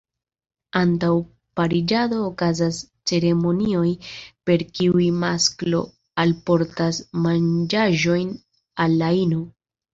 Antaŭ pariĝado okazas ceremonioj per kiuj masklo alportas manĝaĵon al la ino.